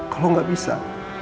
kalau gak bisa